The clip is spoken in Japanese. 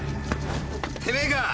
てめえか！